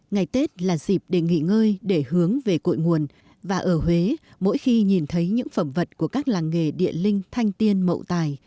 ngày tết là dịp để nghỉ ngơi để hướng về cội nguồn và ở huế mỗi khi nhìn thấy những phẩm vật của các làng nghề địa linh thanh tiên mậu tài